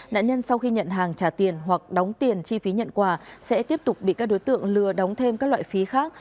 nạn nhân sau khi nhận hàng trả tiền hoặc đóng tiền chi phí nhận quà sẽ tiếp tục bị các đối tượng lừa đóng thêm các loại phí khác